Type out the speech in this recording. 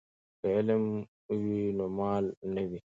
که علم وي نو مال نه وي.